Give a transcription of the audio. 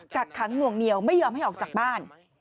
กักขังหน่วงเหนียวไม่ยอมให้ออกจากบ้าน